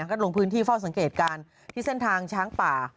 ก็ลงพื้นที่เฝ้าสังเกตการณ์ที่เส้นทางช้างป่า